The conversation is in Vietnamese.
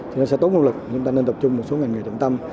thì nó sẽ tốn nguồn lực chúng ta nên tập trung một số ngành nghề trọng tâm